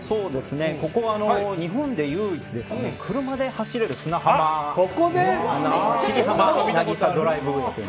ここは日本で唯一車で走れる砂浜です。